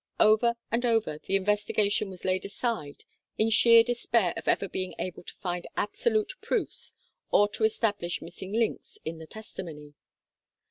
Over and over, the investiga tion was laid aside in sheer despair of ever being able to find absolute proofs or to establish missing links in the testimony.